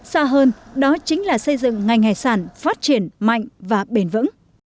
xa hơn đó chính là xây dựng ngành hải sản phát triển mạnh và bền vững